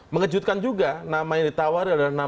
mengejutkan juga nama yang ditawari adalah